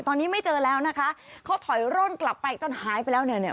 ตอนนี้ไม่เจอแล้วนะคะเขาถอยร่นกลับไปจนหายไปแล้วเนี่ยเนี่ย